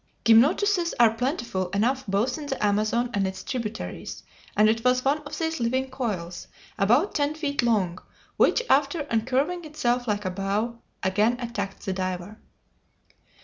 Gymnotuses are plentiful enough both in the Amazon and its tributaries; and it was one of these living coils, about ten feet long, which, after uncurving itself like a bow, again attacked the diver.